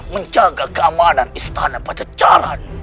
menjaga keamanan istana pancacaran